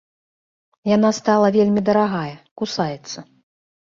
Яна стала вельмі дарагая, кусаецца.